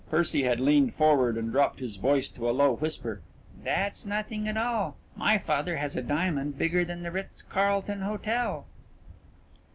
Percy had leaned forward and dropped his voice to a low whisper. "That's nothing at all. My father has a diamond bigger than the Ritz Carlton Hotel."